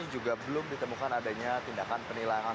juga belum ditemukan adanya tindakan penilangan